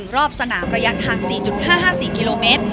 รอบสนามระยะทาง๔๕๕๔กิโลเมตร